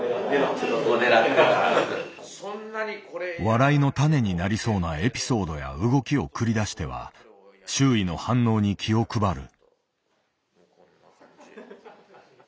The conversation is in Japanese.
笑いのタネになりそうなエピソードや動きを繰り出しては周囲の反応に気を配る。